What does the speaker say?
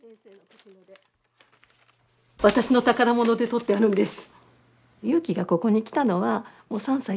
私の宝物でとってあるんです。